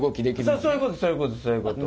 そうそういうことそういうこと。